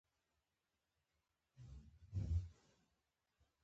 د پرانېستو بنسټونو په لور ګامونه وده زېږولی شي.